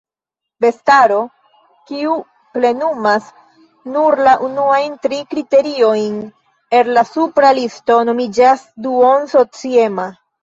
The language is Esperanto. Bestaro, kiu plenumas nur la unuajn tri kriteriojn el la supra listo, nomiĝas duon-sociema.